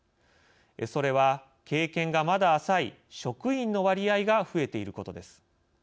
それは経験が、まだ浅い職員の割合が増えていることです。